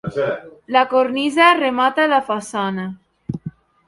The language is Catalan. La cornisa remata la façana.